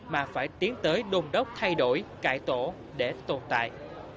mà phải tiến tới đồn đốc thay đổi cải tổ để tồn tại